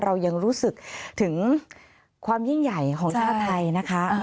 เรายังรู้สึกถึงความยิ่งใหญ่ของชาติไทยนะคะ